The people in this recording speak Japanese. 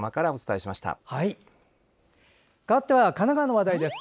かわって神奈川の話題です。